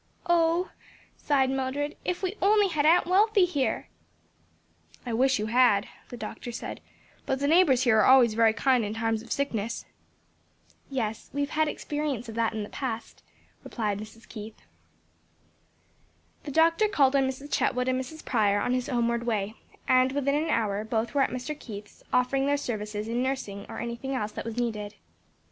"Oh," sighed Mildred, "if we only had Aunt Wealthy here!" "I wish you had," the doctor said; "but the neighbors here are always very kind in times of sickness." "Yes; we have had experience of that in the past," replied Mrs. Keith. The doctor called on Mrs. Chetwood and Mrs. Prior on his homeward way, and within an hour both were at Mr. Keith's offering their services in nursing or any thing else that was needed.